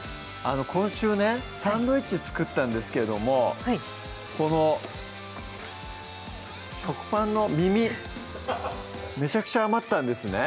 今週ねサンドイッチ作ったんですけどもこの食パンのミミめちゃくちゃ余ったんですね